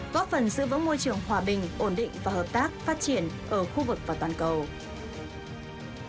góp phần giữ vững môi trường hòa bình ổn định và hợp tác phát triển ở khu vực và toàn cầu